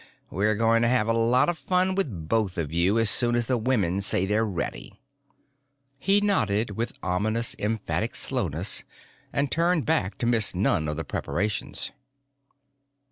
We're going to have a lot of fun with both of you, as soon as the women say they're ready." He nodded with ominous, emphatic slowness and turned back to miss none of the preparations.